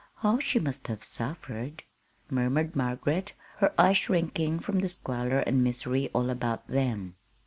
how she must have suffered," murmured Margaret, her eyes shrinking from the squalor and misery all about them.